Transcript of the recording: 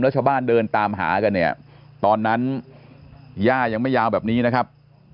แล้วชาวบ้านเดินตามหากันเนี่ยตอนนั้นย่ายังไม่ยาวแบบนี้นะครับ